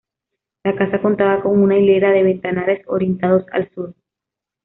La casa contaba con una hilera de ventanales orientados al sur.